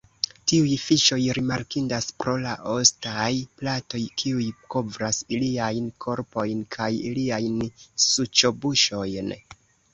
Tiuj fiŝoj rimarkindas pro la ostaj platoj kiuj kovras iliajn korpojn kaj iliajn suĉobuŝojn.